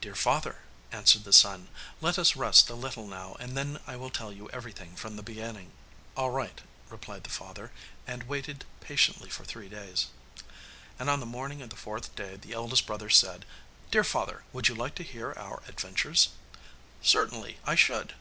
'Dear father,' answered the son, 'let us rest a little now, and then I will tell you everything from the beginning.' 'All right,' replied the father, and waited patiently for three days. And on the morning of the fourth day the eldest brother said, 'Dear father, would you like to hear our adventures?' 'Certainly I should!